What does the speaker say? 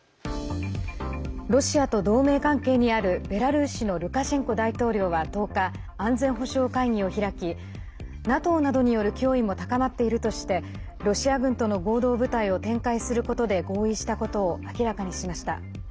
ロシアと同盟関係にあるベラルーシのルカシェンコ大統領は１０日安全保障会議を開きＮＡＴＯなどによる脅威も高まっているとしてロシア軍との合同部隊を展開することで合意したことを明らかにしました。